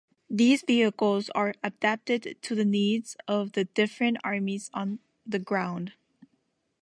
These vehicles are adapted to the needs of the different armies on the ground.